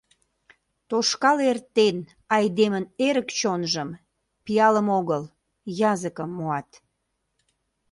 Тошкал эртен айдемын эрык чонжым, Пиалым огыл, языкым муат.